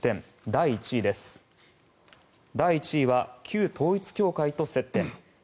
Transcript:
第１位は旧統一教会と接点。